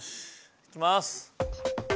いきます。